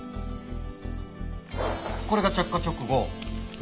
これが着火直後。